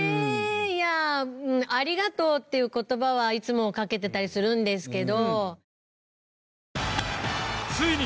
いやあうんありがとうっていう言葉はいつもかけてたりするんですけど。